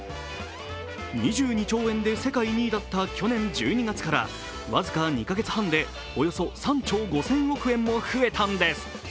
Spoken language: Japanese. ２２兆円で世界２位だった去年１２月から、僅か２か月半で３兆５０００億円も増えたんです。